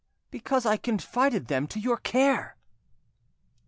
"Because I confided them to your care."